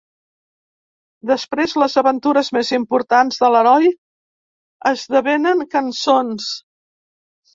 Després, les aventures més importants de l’heroi esdevenen cançons.